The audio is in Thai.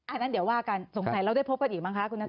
อันนั้นเดี๋ยวว่ากันสงสัยเราได้พบกันอีกมั้งคะคุณนัทธ